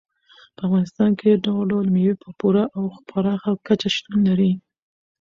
په افغانستان کې ډول ډول مېوې په پوره او پراخه کچه شتون لري.